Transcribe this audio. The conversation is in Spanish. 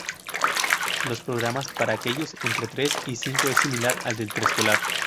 Los programas para aquellos entre tres y cinco es similar al del preescolar.